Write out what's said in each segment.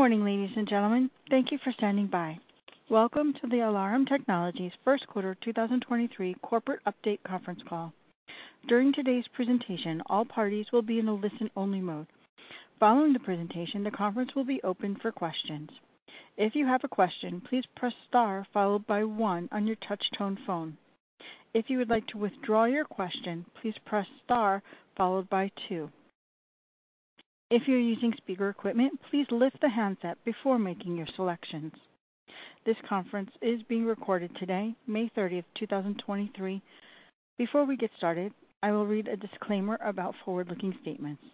Good morning, ladies and gentlemen. Thank you for standing by. Welcome to the Alarum Technologies First Quarter 2023 Corporate Update Conference Call. During today's presentation, all parties will be in a listen-only mode. Following the presentation, the conference will be opened for questions. If you have a question, please press star followed by one on your touchtone phone. If you would like to withdraw your question, please press star followed by two. If you're using speaker equipment, please lift the handset before making your selections. This conference is being recorded today, May thirtieth, 2023. Before we get started, I will read a disclaimer about forward-looking statements.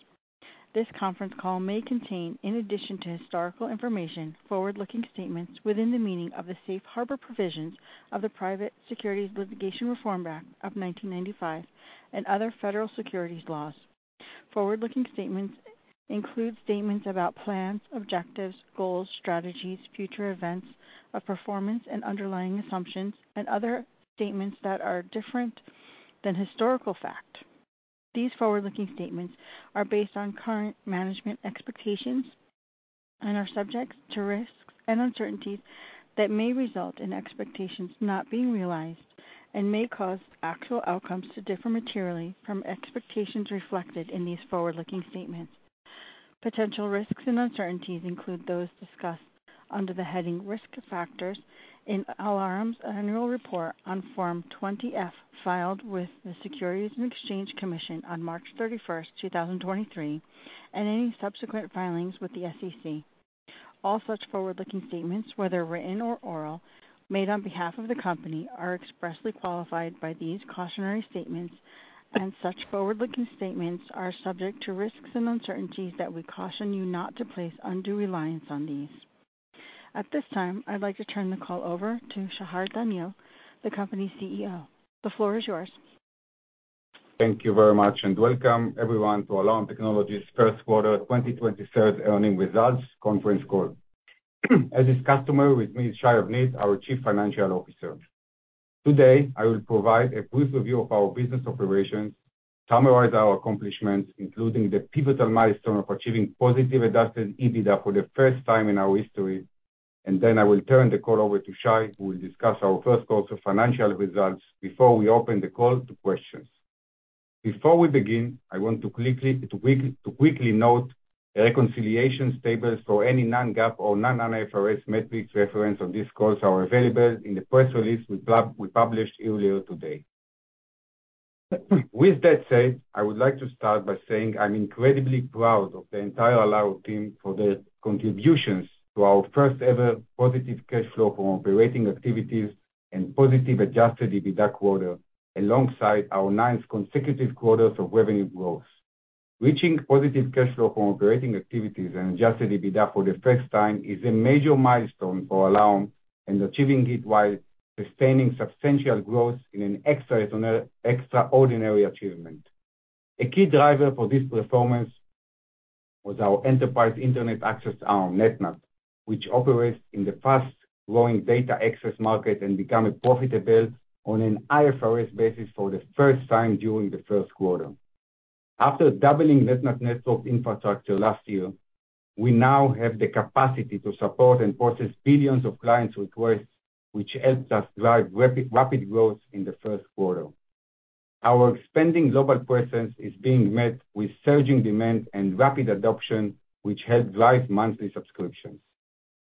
This conference call may contain, in addition to historical information, forward-looking statements within the meaning of the Safe Harbor provisions of the Private Securities Litigation Reform Act of 1995 and other federal securities laws. Forward-looking statements include statements about plans, objectives, goals, strategies, future events of performance and underlying assumptions, and other statements that are different than historical fact. These forward-looking statements are based on current management expectations and are subject to risks and uncertainties that may result in expectations not being realized and may cause actual outcomes to differ materially from expectations reflected in these forward-looking statements. Potential risks and uncertainties include those discussed under the heading Risk Factors in Alarum's Annual Report on Form 20-F, filed with the Securities and Exchange Commission on March 31st, 2023, and any subsequent filings with the SEC. All such forward-looking statements, whether written or oral, made on behalf of the company, are expressly qualified by these cautionary statements, and such forward-looking statements are subject to risks and uncertainties that we caution you not to place undue reliance on these. At this time, I'd like to turn the call over to Shachar Daniel, the company's CEO. The floor is yours. Thank you very much. Welcome everyone to Alarum Technologies first quarter 2023 Earnings Results conference call. As is customary, with me is Shai Avnit, our Chief Financial Officer. Today, I will provide a brief review of our business operations, summarize our accomplishments, including the pivotal milestone of achieving positive Adjusted EBITDA for the first time in our history. Then I will turn the call over to Shai, who will discuss our first quarter financial results before we open the call to questions. Before we begin, I want to quickly note, the reconciliation tables for any non-GAAP or non-IFRS metrics referenced on this call are available in the press release we published earlier today. With that said, I would like to start by saying I'm incredibly proud of the entire Alarum team for their contributions to our first ever positive cash flow from operating activities and positive Adjusted EBITDA quarter, alongside our ninth consecutive quarters of revenue growth. Reaching positive cash flow from operating activities and Adjusted EBITDA for the first time is a major milestone for Alarum, and achieving it while sustaining substantial growth is an extraordinary achievement. A key driver for this performance was our enterprise Internet access arm, NetNut, which operates in the fast-growing data access market and become profitable on an IFRS basis for the first time during the first quarter. After doubling NetNut network infrastructure last year, we now have the capacity to support and process billions of clients requests, which helped us drive rapid growth in the first quarter. Our expanding global presence is being met with surging demand and rapid adoption, which helped drive monthly subscriptions.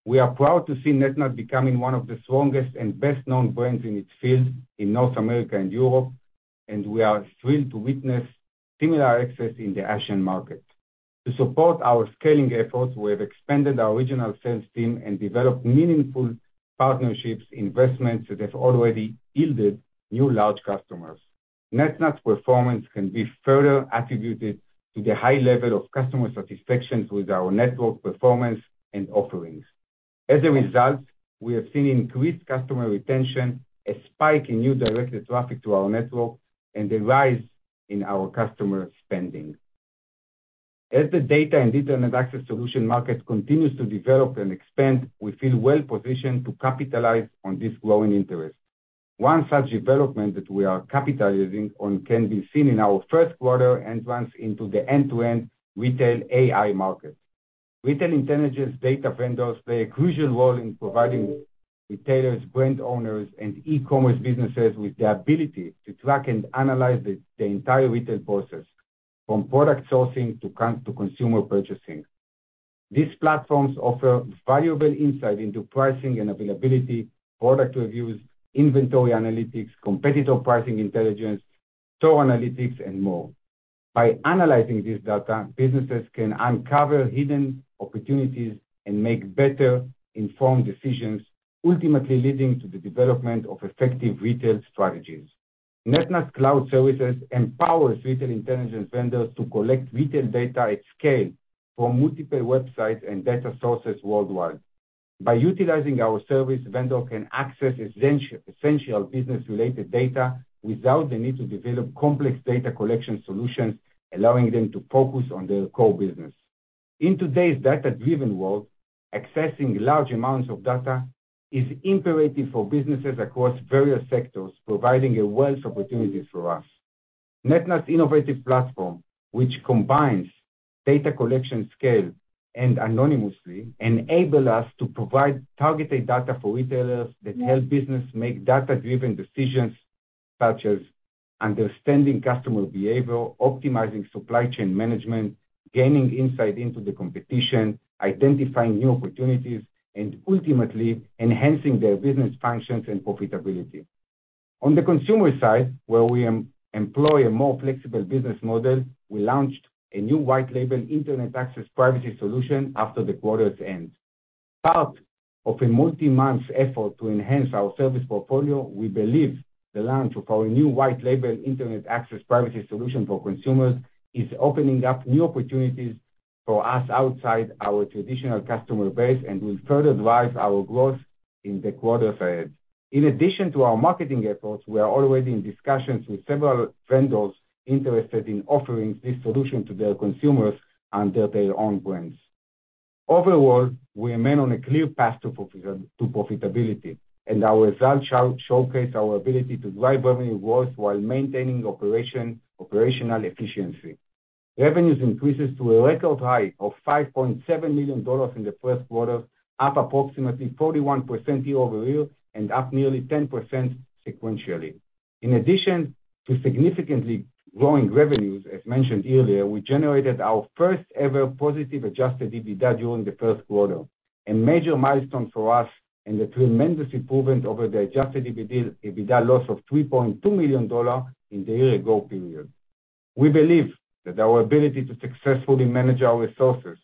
We are proud to see NetNut becoming one of the strongest and best-known brands in its field in North America and Europe. We are thrilled to witness similar access in the Asian market. To support our scaling efforts, we have expanded our original sales team and developed meaningful partnerships, investments that have already yielded new large customers. NetNut's performance can be further attributed to the high level of customer satisfaction with our network performance and offerings. As a result, we have seen increased customer retention, a spike in new directed traffic to our network, and a rise in our customer spending. As the data and Internet access solution market continues to develop and expand, we feel well positioned to capitalize on this growing interest. One such development that we are capitalizing on can be seen in our first quarter entrance into the end-to-end retail AI market. Retail intelligence data vendors play a crucial role in providing retailers, brand owners, and e-commerce businesses with the ability to track and analyze the entire retail process, from product sourcing to consumer purchasing. These platforms offer valuable insight into pricing and availability, product reviews, inventory analytics, competitive pricing intelligence, store analytics, and more. By analyzing this data, businesses can uncover hidden opportunities and make better informed decisions, ultimately leading to the development of effective retail strategies. NetNut's cloud services empowers retail intelligence vendors to collect retail data at scale from multiple websites and data sources worldwide. By utilizing our service, vendor can access essential business-related data without the need to develop complex data collection solutions, allowing them to focus on their core business. In today's data-driven world, accessing large amounts of data is imperative for businesses across various sectors, providing a wealth opportunity for us. NetNut's innovative platform, which combines data collection scale and anonymously, enable us to provide targeted data for retailers that help businesses make data-driven decisions such as understanding customer behavior, optimizing supply chain management, gaining insight into the competition, identifying new opportunities, and ultimately enhancing their business functions and profitability. On the consumer side, where we employ a more flexible business model, we launched a new white label internet access privacy solution after the quarter's end. Part of a multi-month effort to enhance our service portfolio, we believe the launch of our new white label internet access privacy solution for consumers is opening up new opportunities for us outside our traditional customer base and will further drive our growth in the quarters ahead. In addition to our marketing efforts, we are already in discussions with several vendors interested in offering this solution to their consumers under their own brands. Overall, we remain on a clear path to profitability, and our results showcase our ability to drive revenue growth while maintaining operational efficiency. Revenues increases to a record high of $5.7 million in the first quarter, up approximately 41% year-over-year and up nearly 10% sequentially. In addition to significantly growing revenues, as mentioned earlier, we generated our first-ever positive Adjusted EBITDA during the first quarter, a major milestone for us and a tremendous improvement over the Adjusted EBITDA loss of $3.2 million in the year-ago period. We believe that our ability to successfully manage our resources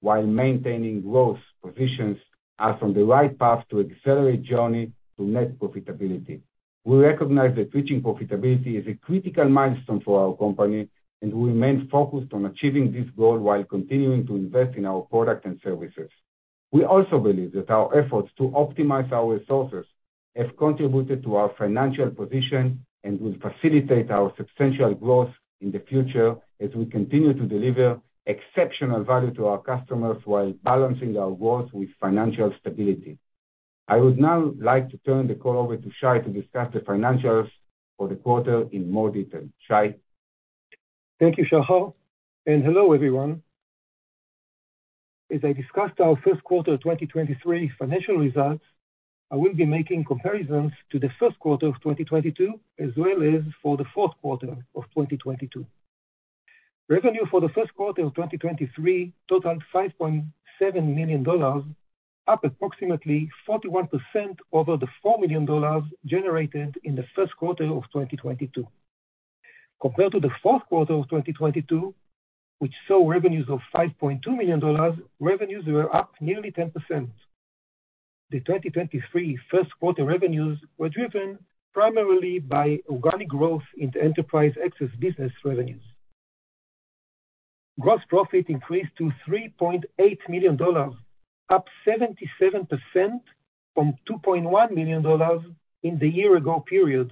while maintaining growth positions us on the right path to accelerate journey to net profitability. We recognize that reaching profitability is a critical milestone for our company, and we remain focused on achieving this goal while continuing to invest in our products and services. We also believe that our efforts to optimize our resources have contributed to our financial position and will facilitate our substantial growth in the future as we continue to deliver exceptional value to our customers while balancing our growth with financial stability. I would now like to turn the call over to Shai to discuss the financials for the quarter in more detail. Shai? Thank you, Shachar, and hello, everyone. As I discussed our first quarter 2023 financial results, I will be making comparisons to the first quarter of 2022, as well as for the fourth quarter of 2022. Revenue for the first quarter of 2023 totaled $5.7 million, up approximately 41% over the $4 million generated in the first quarter of 2022. Compared to the fourth quarter of 2022, which saw revenues of $5.2 million, revenues were up nearly 10%. The 2023 first quarter revenues were driven primarily by organic growth in the enterprise access business revenues. Gross profit increased to $3.8 million, up 77% from $2.1 million in the year-ago period,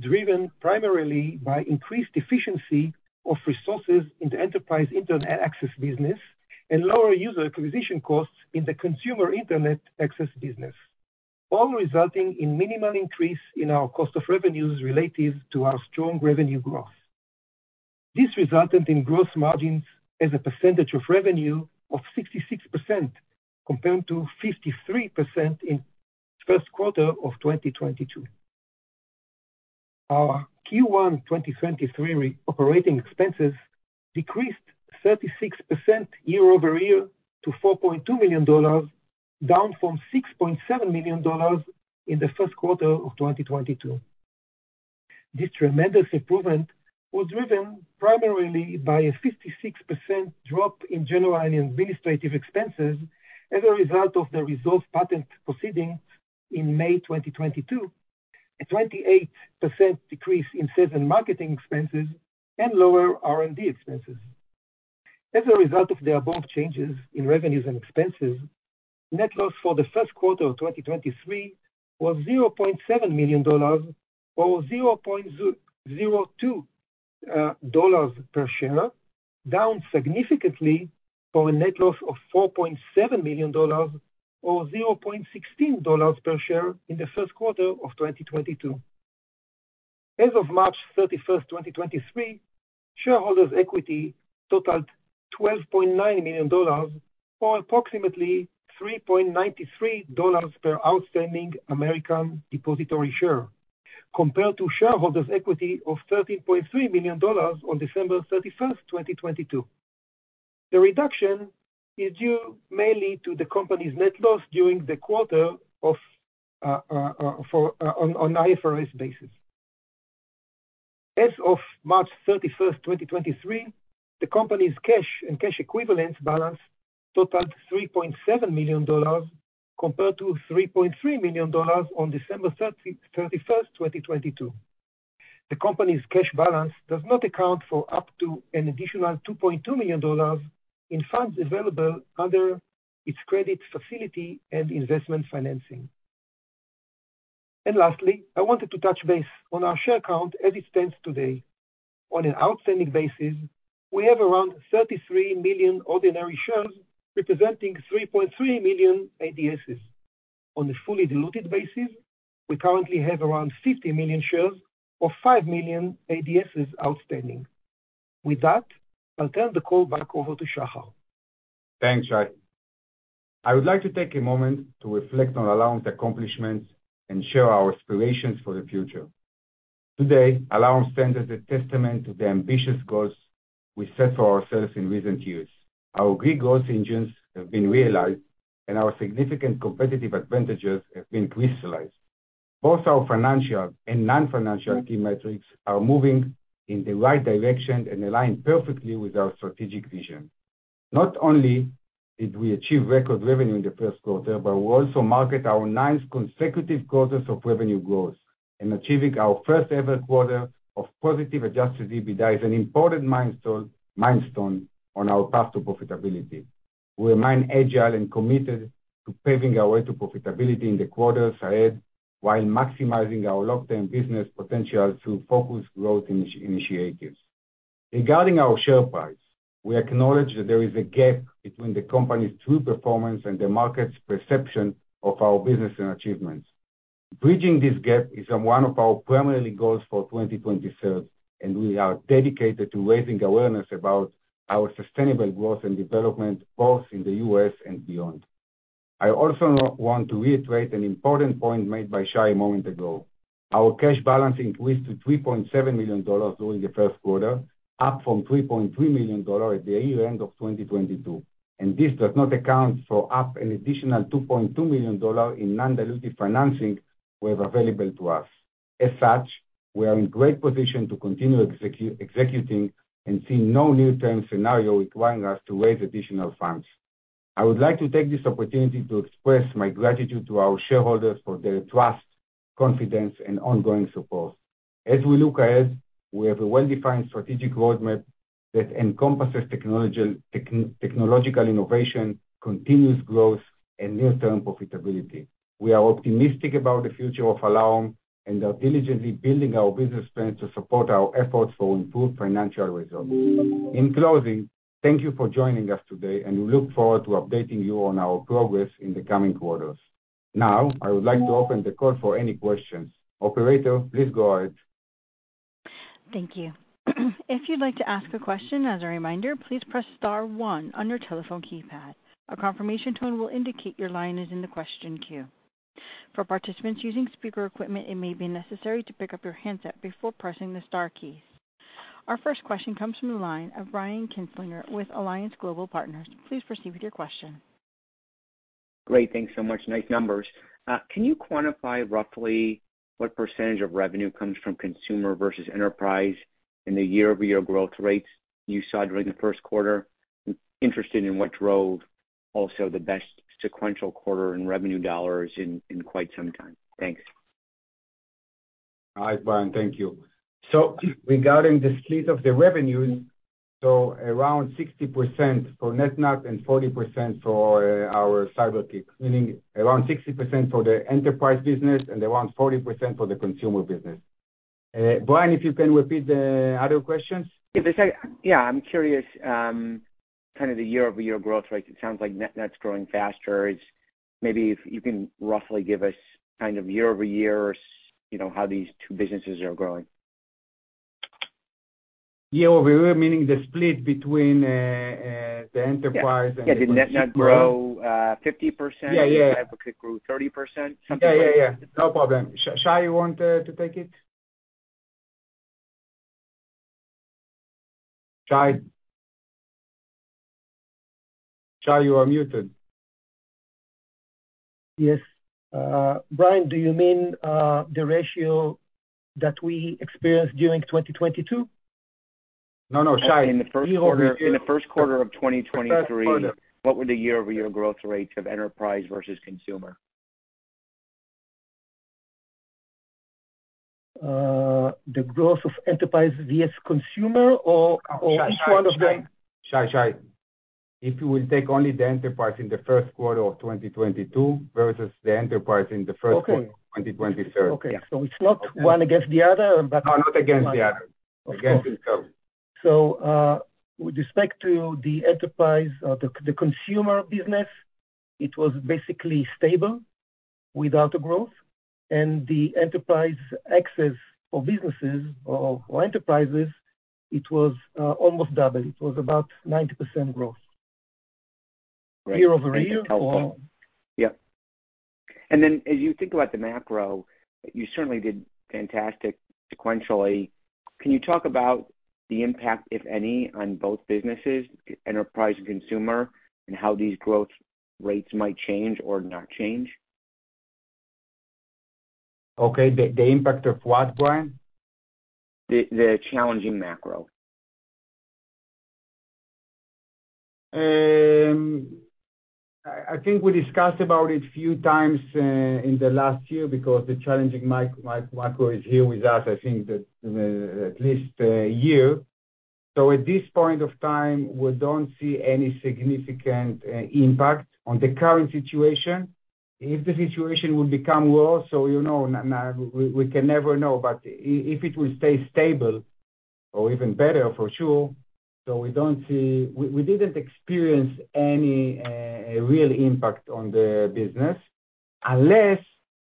driven primarily by increased efficiency of resources in the enterprise internet access business and lower user acquisition costs in the consumer internet access business, all resulting in minimal increase in our cost of revenues relative to our strong revenue growth. This resulted in gross margins as a percentage of revenue of 66%, compared to 53% in first quarter of 2022. Our Q1 2023 operating expenses decreased 36% year-over-year to $4.2 million, down from $6.7 million in the first quarter of 2022. This tremendous improvement was driven primarily by a 56% drop in general and administrative expenses as a result of the resolved patent proceeding in May 2022, a 28% decrease in sales and marketing expenses, and lower R&D expenses. As a result of the above changes in revenues and expenses, net loss for the first quarter of 2023 was $0.7 million, or $0.02 per share, down significantly from a net loss of $4.7 million, or $0.16 per share in the first quarter of 2022. As of March 31st, 2023, shareholders' equity totaled $12.9 million, or approximately $3.93 per outstanding American Depositary Share, compared to shareholders' equity of $13.3 million on December 31st, 2022. The reduction is due mainly to the company's net loss during the quarter on IFRS basis. As of March 31, 2023, the company's cash and cash equivalents balance totaled $3.7 million, compared to $3.3 million on December 31, 2022. The company's cash balance does not account for up to an additional $2.2 million in funds available under its credit facility and investment financing. Lastly, I wanted to touch base on our share count as it stands today. On an outstanding basis, we have around 33 million ordinary shares, representing 3.3 million ADSs. On a fully diluted basis, we currently have around 50 million shares or 5 million ADSs outstanding. With that, I'll turn the call back over to Shachar. Thanks, Shai. I would like to take a moment to reflect on Alarum's accomplishments and share our aspirations for the future. Today, Alarum stands as a testament to the ambitious goals we set for ourselves in recent years. Our key growth engines have been realized, and our significant competitive advantages have been crystallized. Both our financial and non-financial key metrics are moving in the right direction and align perfectly with our strategic vision. Not only did we achieve record revenue in the first quarter, but we also marked our ninth consecutive quarters of revenue growth and achieving our first-ever quarter of positive Adjusted EBITDA is an important mindstone on our path to profitability. We remain agile and committed to paving our way to profitability in the quarters ahead, while maximizing our long-term business potential through focused growth initiatives. Regarding our share price, we acknowledge that there is a gap between the company's true performance and the market's perception of our business and achievements. Bridging this gap is one of our primary goals for 2023. We are dedicated to raising awareness about our sustainable growth and development, both in the U.S. and beyond. I also want to reiterate an important point made by Shai a moment ago. Our cash balance increased to $3.7 million during the first quarter, up from $3.3 million at the year-end of 2022. This does not account for up an additional $2.2 million in non-dilutive financing we have available to us. As such, we are in great position to continue executing and see no near-term scenario requiring us to raise additional funds. I would like to take this opportunity to express my gratitude to our shareholders for their trust, confidence, and ongoing support. As we look ahead, we have a well-defined strategic roadmap that encompasses technological innovation, continuous growth, and near-term profitability. We are optimistic about the future of Alarum and are diligently building our business plans to support our efforts for improved financial results. In closing, thank you for joining us today, and we look forward to updating you on our progress in the coming quarters. Now, I would like to open the call for any questions. Operator, please go ahead. Thank you. If you'd like to ask a question as a reminder, please press star one on your telephone keypad. A confirmation tone will indicate your line is in the question queue. For participants using speaker equipment, it may be necessary to pick up your handset before pressing the star key. Our first question comes from the line of Brian Kinstlinger with Alliance Global Partners. Please proceed with your question. Great. Thanks so much. Nice numbers. Can you quantify roughly what percentage of revenue comes from consumer versus enterprise and the year-over-year growth rates you saw during the first quarter? I'm interested in what drove also the best sequential quarter in revenue dollars in quite some time. Thanks. Hi, Brian. Thank you. Regarding the split of the revenues, so around 60% for NetNut and 40% for our CyberKick, meaning around 60% for the enterprise business and around 40% for the consumer business. Brian, if you can repeat the other questions? Yeah, I'm curious, kind of the year-over-year growth rate, it sounds like NetNut's growing faster. It's maybe if you can roughly give us kind of year-over-year, you know, how these two businesses are growing? year-over-year, meaning the split between, and, the enterprise-... Yeah. Did NetNut grow, 50%? Yeah, yeah. CyberKick grew 30%? Yeah, yeah. No problem. Shai, you want to take it? Shai? Shai, you are muted. Yes. Brian, do you mean, the ratio that we experienced during 2022? No, no. In the first quarter of 2023, what were the year-over-year growth rates of enterprise versus consumer? the growth of enterprise versus consumer. Shai. Each one of them? Shai, if you will take only the enterprise in the first quarter of 2022 versus the enterprise in the first quarter of 2023. Okay. It's not one against the other? No, not against the other. Against the current. With respect to the enterprise or the consumer business, it was basically stable without the growth and the enterprise access for businesses or enterprises, it was almost double. It was about 90% growth year-over-year. Yeah. Then as you think about the macro, you certainly did fantastic sequentially. Can you talk about the impact, if any, on both businesses, enterprise and consumer, and how these growth rates might change or not change? Okay, the impact of what, Brian? The challenging macro. I think we discussed about it a few times in the last year because the challenging macro is here with us, I think that at least a year. At this point of time, we don't see any significant impact on the current situation. If the situation will become worse, you know, now we can never know, but if it will stay stable or even better for sure. We didn't experience any real impact on the business, unless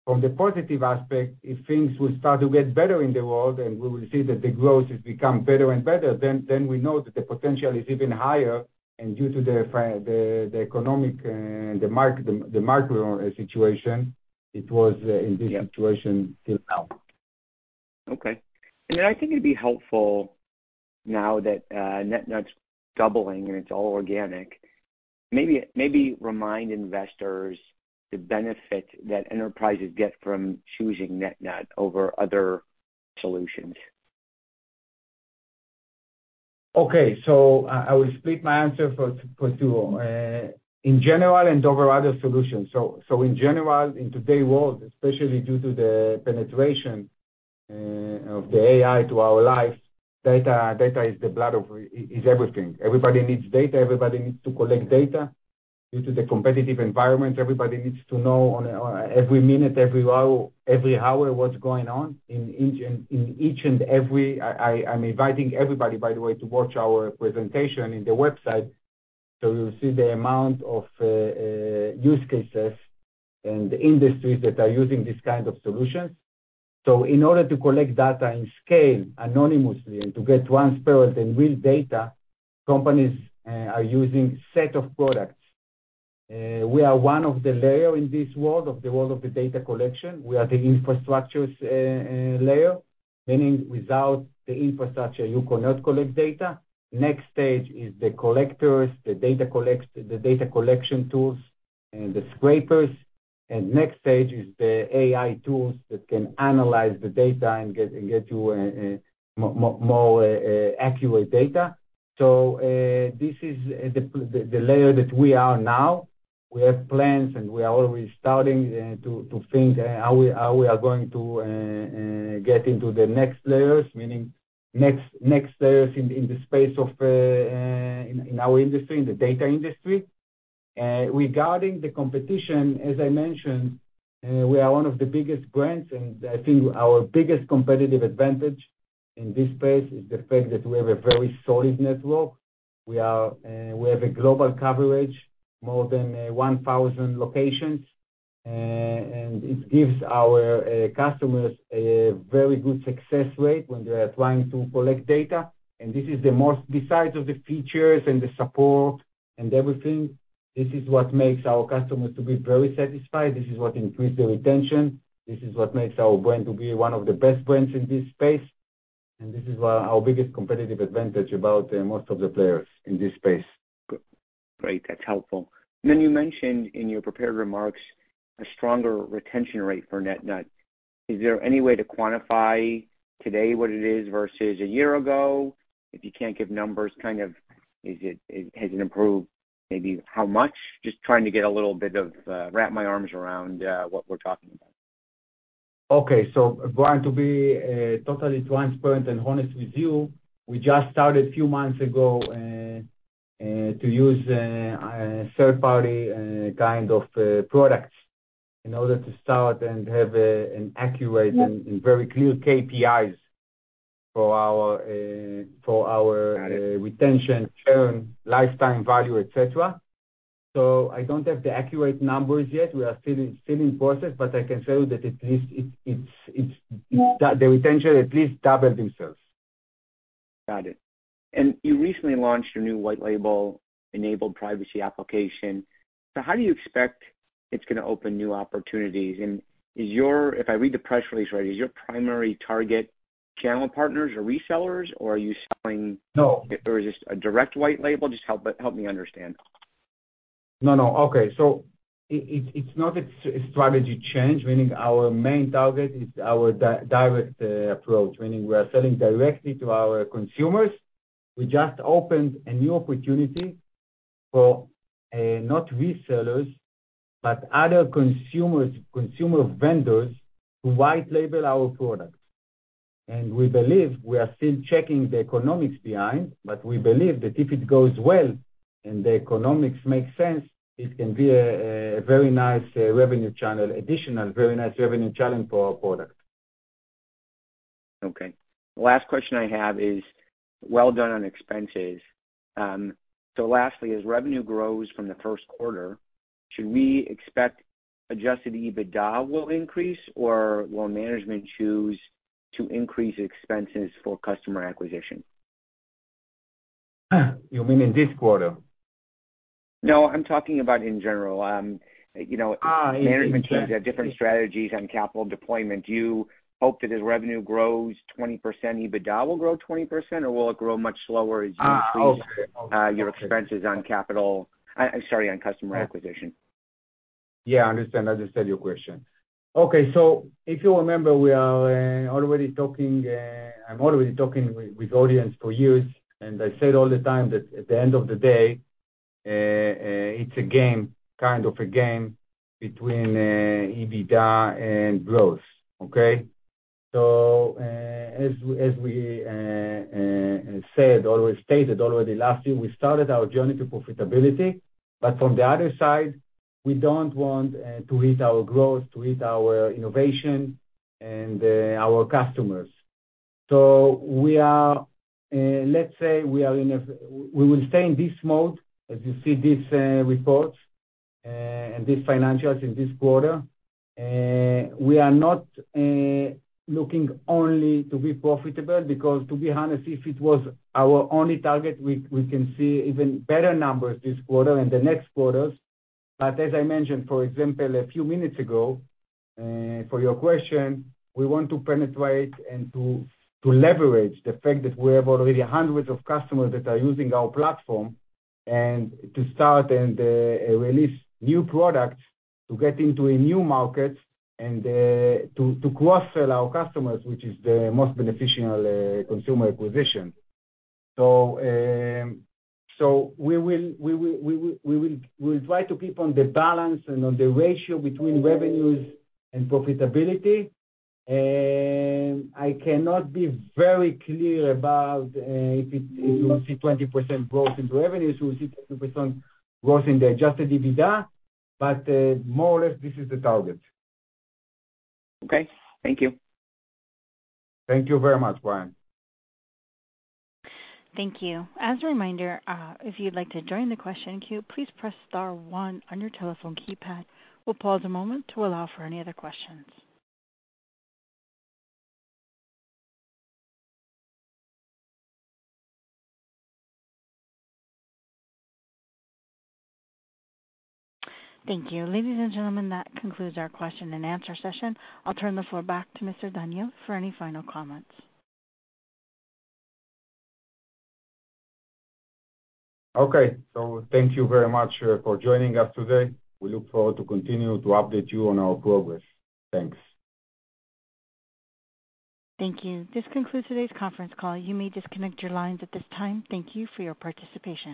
from the positive aspect, if things will start to get better in the world and we will see that the growth has become better and better, then we know that the potential is even higher, and due to the economic, the market situation, it was in this situation till now. Okay. I think it'd be helpful now that NetNut's doubling and it's all organic. Maybe remind investors the benefit that enterprises get from choosing NetNut over other solutions. Okay. I will split my answer for 2 in general and over other solutions. In general, in today's world, especially due to the penetration of the AI to our life, data is the blood of... It is everything. Everybody needs data, everybody needs to collect data. Due to the competitive environment, everybody needs to know on a every minute, every hour, what's going on in each and every... I'm inviting everybody, by the way, to watch our presentation in the website. You'll see the amount of use cases and the industries that are using these kind of solutions. In order to collect data and scale anonymously and to get transparent and real data, companies are using set of products. We are one of the layer in this world, of the world of the data collection. We are the infrastructures layer, meaning without the infrastructure, you cannot collect data. Next stage is the collectors, the data collection tools, and the scrapers. Next stage is the AI tools that can analyze the data and get you more accurate data. This is the layer that we are now. We have plans, and we are already starting to think how we are going to get into the next layers, meaning next layers in the space of in our industry, in the data industry. Regarding the competition, as I mentioned, we are one of the biggest brands, and I think our biggest competitive advantage in this space is the fact that we have a very solid network. We have a global coverage, more than 1,000 locations, and it gives our customers a very good success rate when they are trying to collect data. Besides of the features and the support and everything, this is what makes our customers to be very satisfied. This is what increase the retention. This is what makes our brand to be one of the best brands in this space, and this is why our biggest competitive advantage about most of the players in this space. Great, that's helpful. You mentioned in your prepared remarks, a stronger retention rate for NetNut. Is there any way to quantify today what it is versus a year ago? If you can't give numbers, kind of, is it, has it improved, maybe how much? Just trying to get a little bit of wrap my arms around what we're talking about. Okay. Brian, to be totally transparent and honest with you, we just started a few months ago to use a third-party kind of products in order to start and have an accurate and very clear KPIs for our. Got it. retention, churn, lifetime value, et cetera. I don't have the accurate numbers yet. We are still in process, but I can tell you that at least it's the retention at least double themselves. Got it. You recently launched a new white label enabled privacy application. How do you expect it's gonna open new opportunities? If I read the press release right, is your primary target channel partners or resellers, or are you selling- No. Just a direct white label? Just help me understand. No, no. Okay. It's not a strategy change, meaning our main target is our direct approach, meaning we are selling directly to our consumers. We just opened a new opportunity for not resellers, but other consumers, consumer vendors to white label our products. We believe we are still checking the economics behind, but we believe that if it goes well and the economics make sense, it can be a very nice revenue channel, additional very nice revenue channel for our product. Okay. Last question I have is, well done on expenses. Lastly, as revenue grows from the first quarter, should we expect Adjusted EBITDA will increase, or will management choose to increase expenses for customer acquisition? You mean in this quarter? No, I'm talking about in general. you know- Yes. Management teams have different strategies on capital deployment. Do you hope that as revenue grows 20%, EBITDA will grow 20%, or will it grow much slower as you increase- Okay. your expenses on capital? Sorry, on customer acquisition. Yeah, I understand. I understand your question. If you remember, we are already talking, I'm already talking with audience for years, and I said all the time that at the end of the day, it's a game, kind of a game between EBITDA and growth, okay? As we already stated last year, we started our journey to profitability, but from the other side. We don't want to hit our growth, to hit our innovation and our customers. We are, let's say we will stay in this mode, as you see this report and these financials in this quarter. We are not looking only to be profitable, because to be honest, if it was our only target, we can see even better numbers this quarter and the next quarters. As I mentioned, for example, a few minutes ago, for your question, we want to penetrate and to leverage the fact that we have already hundreds of customers that are using our platform, and to start and release new products to get into a new market and to cross-sell our customers, which is the most beneficial consumer acquisition. We will try to keep on the balance and on the ratio between revenues and profitability. I cannot be very clear about, if you will see 20% growth in revenues, you will see 20% growth in the Adjusted EBITDA, but, more or less, this is the target. Okay, thank you. Thank you very much, Brian. Thank you. As a reminder, if you'd like to join the question queue, please press star one on your telephone keypad. We'll pause a moment to allow for any other questions. Thank you. Ladies and gentlemen, that concludes our question and answer session. I'll turn the floor back to Mr. Daniel for any final comments. Okay. Thank you very much for joining us today. We look forward to continue to update you on our progress. Thanks. Thank you. This concludes today's conference call. You may disconnect your lines at this time. Thank you for your participation.